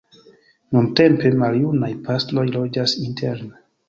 Nuntempe maljunaj pastroj loĝas interne.